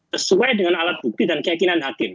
sesuai dengan alat bukti dan keyakinan hakim